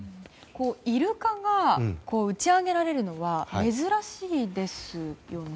イルカが打ち揚げられるのは珍しいですよね？